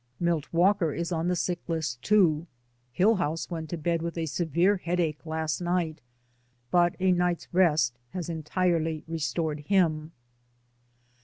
Milt Walker is on the sick list, too. Hill house went to bed with a severe headache DAYS ON THE ROAD. 167 last night, but a night's rest has entirely re stored him.